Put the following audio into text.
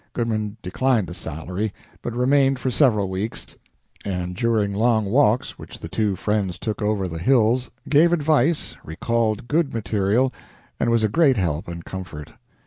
Goodman declined the salary, but remained for several weeks, and during long walks which the two friends took over the hills gave advice, recalled good material, and was a great help and comfort.